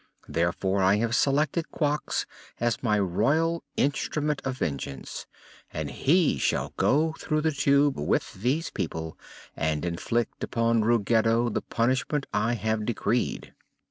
Therefore I have selected Quox as my royal Instrument of Vengeance and he shall go through the Tube with these people and inflict upon Ruggedo the punishment I have decreed."